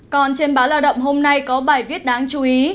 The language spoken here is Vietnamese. còn trên báo lao động hôm nay có bài viết đáng chú ý